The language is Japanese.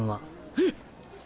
えっ！